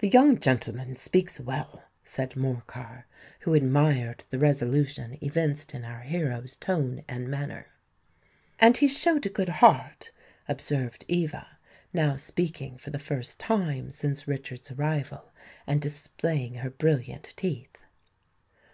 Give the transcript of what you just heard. "The young gentleman speaks well," said Morcar, who admired the resolution evinced in our hero's tone and manner. "And he showed a good heart," observed Eva, now speaking for the first time since Richard's arrival, and displaying her brilliant teeth.